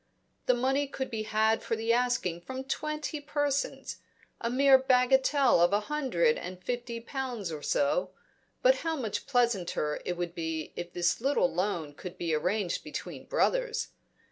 The money could be had for the asking from twenty persons a mere bagatelle of a hundred and fifty pounds or so; but how much pleasanter it would be if this little loan could be arranged between brothers.